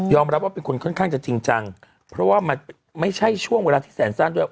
รับว่าเป็นคนค่อนข้างจะจริงจังเพราะว่ามันไม่ใช่ช่วงเวลาที่แสนสั้นด้วย